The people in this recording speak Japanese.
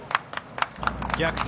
逆転